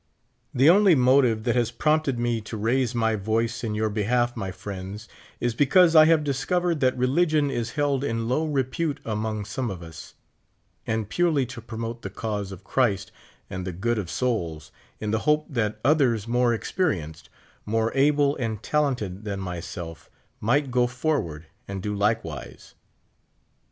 The only motive that has prompted me to raise my voice in your behalf, my friends, is because I have discovered that re ligion is held in low repute among some of us ; and purely to promote the cause of Christ, and the good of souls, in the hope that others more experienced, more * able and talented than myself, might go forward and do likewise.